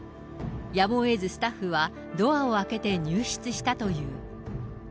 やむをえずスタッフは、ドアを開けて入室したという。